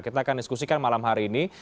kita akan diskusikan malam hari ini